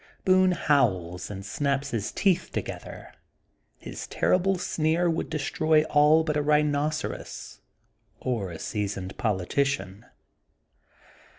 Boone howls, and snaps his teeth to gether. His terrible sneer would destroy all but a rhinoceros or a seasoned politician.